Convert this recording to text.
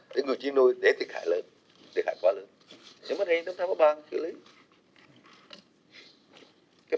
để người chim nuôi đẻ thiệt hại quá lớn